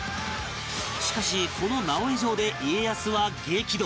しかしこの直江状で家康は激怒